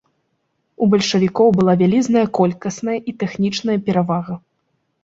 У бальшавікоў была вялізная колькасная і тэхнічная перавага.